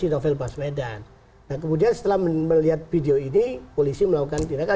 nah kemudian setelah melihat video ini polisi melakukan tindakan